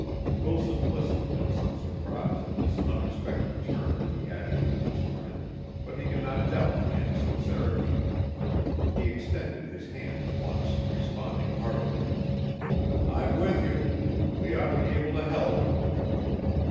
Wilson listened in some surprise at this unexpected turn in the attitude of his friend, but he could not doubt the man's sincerity. He extended his hand at once, responding heartily, "I'm with you. We ought to be able to help."